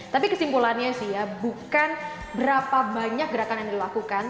tapi kesimpulannya sih ya bukan berapa banyak gerakan yang dilakukan